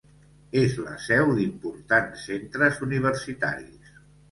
És la seu d'importants centres universitaris.